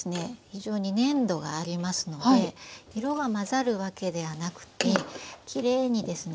非常に粘度がありますので色が混ざるわけではなくてきれいにですねグラデーションが。